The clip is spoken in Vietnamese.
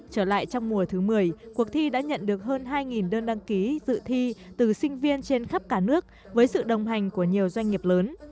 trở lại trong mùa thứ một mươi cuộc thi đã nhận được hơn hai đơn đăng ký dự thi từ sinh viên trên khắp cả nước với sự đồng hành của nhiều doanh nghiệp lớn